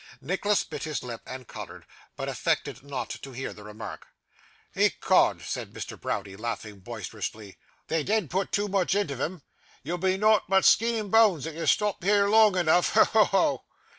Nicholas bit his lip, and coloured, but affected not to hear the remark. 'Ecod,' said Mr. Browdie, laughing boisterously, 'they dean't put too much intiv'em. Ye'll be nowt but skeen and boans if you stop here long eneaf. Ho! ho! ho!